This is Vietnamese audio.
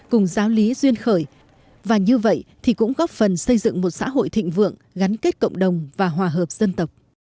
cùng giáo lý duyên khởi và như vậy thì cũng góp phần xây dựng một xã hội thịnh vượng gắn kết cộng đồng và hòa hợp dân tộc